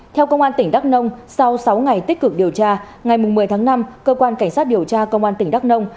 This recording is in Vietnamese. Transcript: theo công an tỉnh đắk nông sau sáu ngày tích cực điều tra ngày một mươi tháng năm cơ quan cảnh sát điều tra công an tỉnh đắk nông